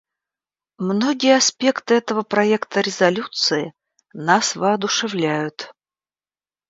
Многие аспекты этого проекта резолюции нас воодушевляют.